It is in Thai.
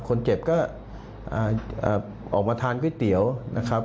คนเจ็บก็ออกมาทานก๋วยเตี๋ยวนะครับ